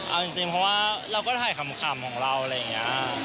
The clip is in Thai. เอาจริงเพราะว่าเราก็ถ่ายขำของเราอะไรอย่างนี้